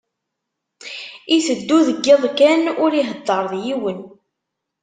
Iteddu deg iḍ kan, ur ihedder d yiwen.